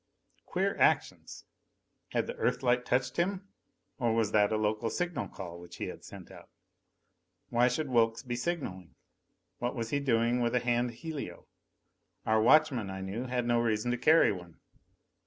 Queer actions! Had the Earthlight touched him? Or was that a local signal call which he sent out? Why should Wilks be signaling? What was he doing with a hand helio? Our watchmen, I knew, had no reason to carry one.